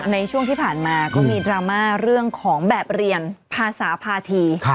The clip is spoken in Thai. ในช่วงที่ผ่านมาก็มีดราม่าเรื่องของแบบเรียนภาษาภาษี